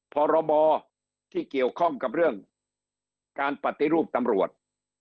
พรบที่เกี่ยวข้องกับเรื่องการปฏิรูปตำรวจ